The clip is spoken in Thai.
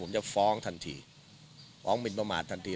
ผมจะฟ้องทันทีฟ้องหมินประมาททันที